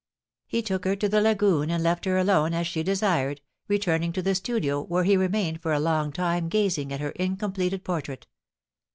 He took her to the lagoon and left her alone as she desired, returning to the studio, where he remained for a long time gazing at her incompleted portrait.